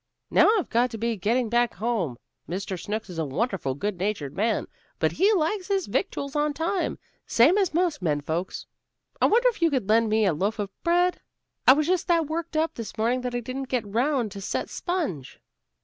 "Now, I've got to be getting back home. Mr. Snooks is a wonderful good natured man, but he likes his victuals on time, same as most men folks. I wonder if you could lend me a loaf of bread? I was just that worked up this morning that I didn't get 'round to set sponge."